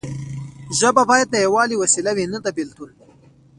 ژبه باید د یووالي وسیله وي نه د بیلتون.